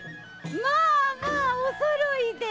まあおそろいで！